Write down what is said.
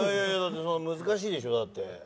難しいでしょだって。